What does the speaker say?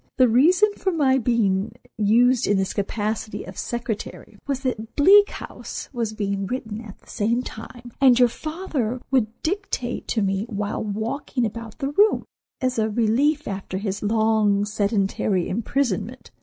The reason for my being used in this capacity of secretary was that 'Bleak House' was being written at the same time, and your father would dictate to me while walking about the room, as a relief after his long, sedentary imprisonment.